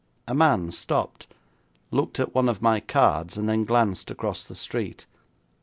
A man stopped, looked at one of my cards, and then glanced across the street.